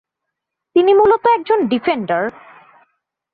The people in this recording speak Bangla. তিনি মূলত একজন ডিফেন্ডার।